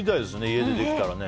家でできたらね。